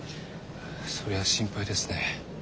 それは心配ですね。